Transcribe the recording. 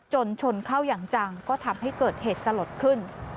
ชนเข้าอย่างจังก็ทำให้เกิดเหตุสลดขึ้น